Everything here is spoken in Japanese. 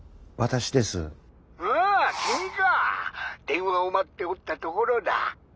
電話を待っておったところだ。